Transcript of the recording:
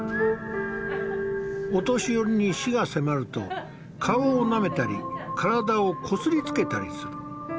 お年寄りに死が迫ると顔をなめたり体をこすりつけたりする。